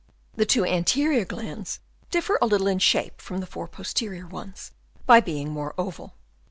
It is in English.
The two anterior glands differ a little in shape from the four posterior ones, by being more oval.